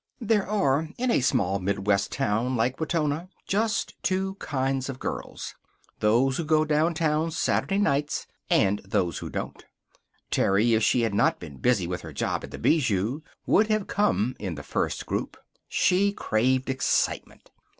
There are, in a small Midwest town like Wetona, just two kinds of girls. Those who go downtown Saturday nights, and those who don't. Terry, if she had not been busy with her job at the Bijou, would have come in the first group. She craved excitement.